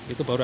itu baru ada